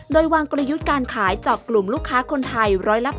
โดยวางกลยุทธ์การขายจากกลุ่มลูกค้าคนไทย๑๘๐